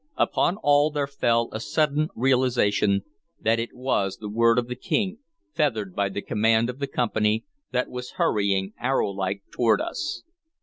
Upon all there fell a sudden realization that it was the word of the King, feathered by the command of the Company, that was hurrying, arrow like, toward us.